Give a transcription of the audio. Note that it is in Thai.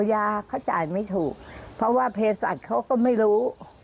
สัตว์เขาก็ไม่รู้